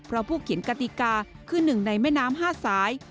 เพราะผู้เขียนกติกาคือหนึ่งในแม่น้ำ๕สาย